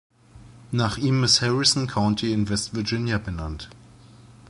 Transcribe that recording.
Nach ihm ist Harrison County in West Virginia benannt.